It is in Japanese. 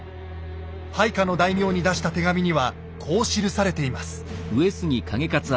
配下の大名に出した手紙にはこう記されています。